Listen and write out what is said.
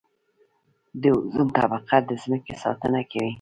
د اوزون طبقه د ځمکې ساتنه کوي